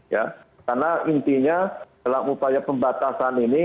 ya karena intinya dalam upaya pembatasan ini